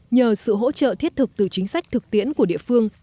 nhờ sự hỗ trợ thiết thực từ chính sách thực tiễn của địa phương